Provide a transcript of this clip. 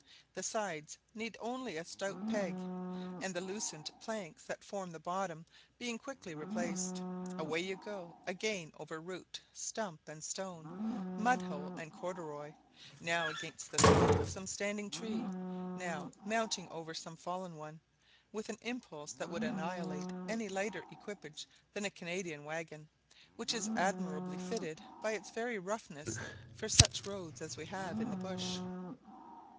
The sides need only a stout peg, and the loosened planks that form the bottom being quickly replaced, away you go again over root, stump, and stone, mud hole, and corduroy; now against the trunk of some standing tree, now mounting over some fallen one, with an impulse that would annihilate any lighter equipage than a Canadian waggon, which is admirably fitted by its very roughness for such roads as we have in the bush.